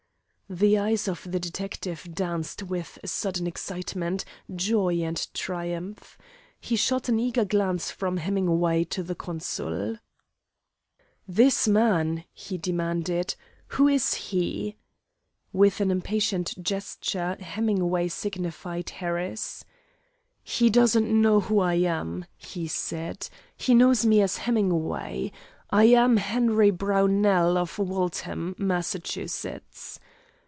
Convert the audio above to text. The eyes of the detective danced with sudden excitement, joy, and triumph. He shot an eager glance from Hemingway to the consul. "This man," he demanded; "who is he?" With an impatient gesture Hemingway signified Harris. "He doesn't know who I am," he said. "He knows me as Hemingway. I am Henry Brownell, of Waltham, Mass."